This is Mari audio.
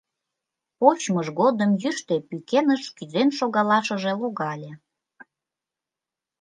Почмыж годым йӱштӧ пӱкеныш кӱзен шогалашыже логале.